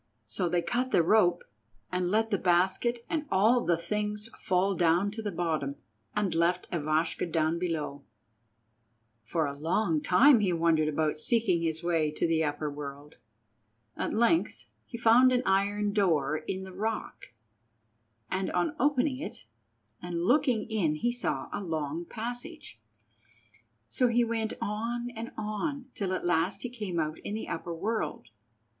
So they cut the rope and let the basket and all the things fall down to the bottom, and left Ivashka down below. For a long time he wandered about seeking his way to the upper world. At length he found an iron door in the rock, and on opening it and looking in he saw a long passage. So he went on and on till at last he came out in the upper world.